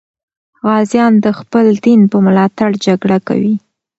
غازیان د خپل دین په ملاتړ جګړه کوي.